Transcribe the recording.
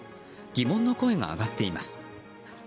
疑問の声が上がっています。